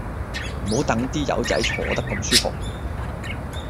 唔好等啲友仔坐得咁舒服